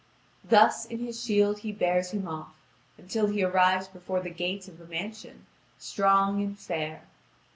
Thus, in his shield he bears him off, until he arrives before the gate of a mansion, strong and fair.